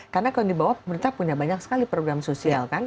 karena kalau di bawah pemerintah punya banyak sekali program sosial kan